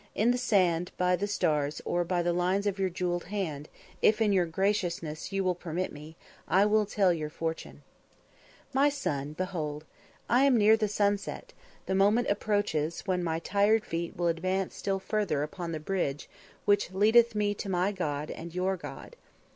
In the sand, by the stars, or the lines of your jewelled hand, if in your graciousness you will permit me, I will tell you your future." "My son, behold. I am near the sunset, the moment approaches when my tired feet will advance still further upon the bridge which leadeth me to my God and your God.